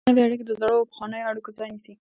نوې اړیکې د زړو او پخوانیو اړیکو ځای نیسي.